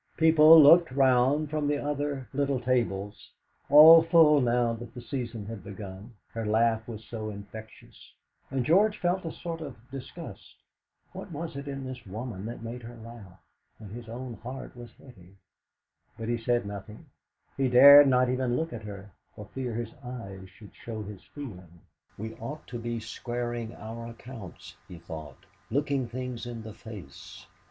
People looked round from the other little tables, all full now that the season had begun, her laugh was so infectious; and George felt a sort of disgust. What was it in this woman that made her laugh, when his own heart was heavy? But he said nothing; he dared not even look at her, for fear his eyes should show his feeling. '.e ought to be squaring our accounts,' he thought 'looking things in the face.